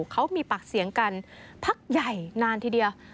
เขามีปากเสียงกันพักใหญ่นานทีเดียว